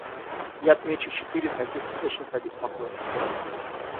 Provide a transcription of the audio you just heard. Я отмечу четыре таких источника обеспокоенности.